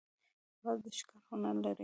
باز د ښکار هنر لري